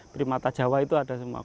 primata jawa itu ada semua